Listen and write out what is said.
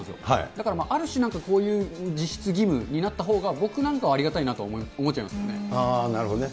だからある種、実質義務になったほうが、僕なんかはありがたいなと思っちゃいまなるほどね。